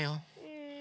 うん。